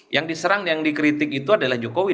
yang diserang yang dikritik itu adalah jokowi